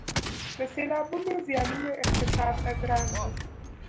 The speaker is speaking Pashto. د سیلابونو زیانونه اقتصاد ته ګران دي